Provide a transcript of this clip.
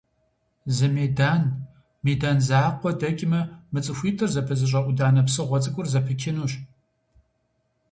Зы медан, медан закъуэ дэкӀмэ, мы цӀыхуитӀыр зэпызыщӀэ Ӏуданэ псыгъуэ цӀыкӀур зэпычынущ.